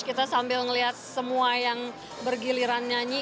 kita sambil melihat semua yang bergiliran nyanyi